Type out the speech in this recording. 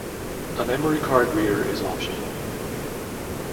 A memory card reader is optional.